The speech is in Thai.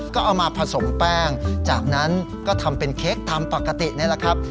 ก็เอามาผสมแป้งจากนั้นก็ทำเป็นเค้กตามปกตินี่แหละครับ